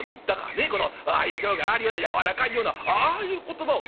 ねこの愛嬌があるような柔らかいようなああいう言葉をね